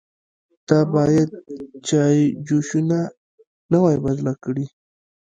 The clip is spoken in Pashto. _تا بايد چايجوشه نه وای بدله کړې.